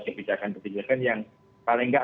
kebijakan kebijakan yang paling nggak